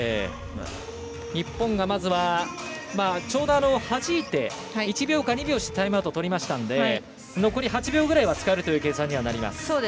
日本がまずはちょうど、はじいて１秒か２秒してタイムアウトをとりましたので残り８秒ぐらいは使えるという計算になります。